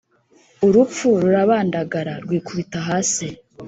urupfu rurabandagara, rwikubita hasi,